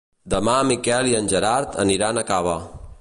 Demà en Miquel i en Gerard aniran a Cava.